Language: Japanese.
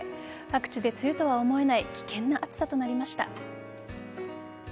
各地で梅雨と思えない危険な暑さとなりました。